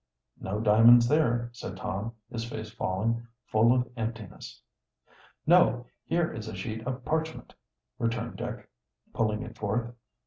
"No diamonds there," said Tom, his face falling. "Full of emptiness." "No, here is a sheet of parchment," returned Dick, pulling it forth.